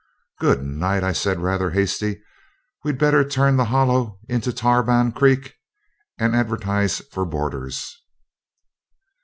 'Good night,' I said, rather hasty. 'We'd better turn the Hollow into Tarban Creek, and advertise for boarders.'